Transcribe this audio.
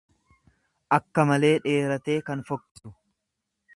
akka malee dheeratee kan fokkisu.